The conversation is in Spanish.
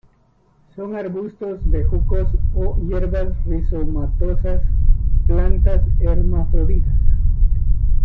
Son arbustos, bejucos o hierbas rizomatosas; plantas hermafroditas.